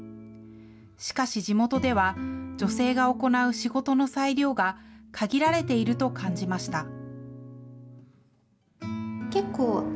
しかし地元では、女性が行う仕事の裁量が限られていると感じました。